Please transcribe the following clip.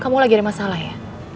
kamu lagi ada masalah ya